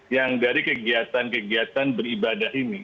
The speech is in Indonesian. yang dari kegiatan kegiatan beribadah ini